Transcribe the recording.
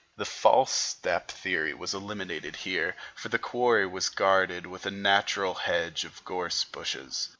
The "false step" theory was eliminated here, for the quarry was guarded with a natural hedge of gorse bushes.